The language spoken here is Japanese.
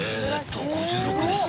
５６です。